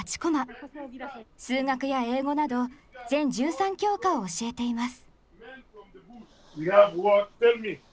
数学や英語など全１３教科を教えています。